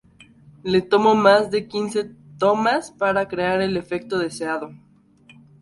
Le tomó más de quince tomas para crear el efecto deseado.